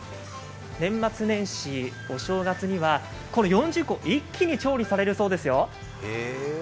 年末年始、お正月にはこの４０個を一気に調理されるそうですよ。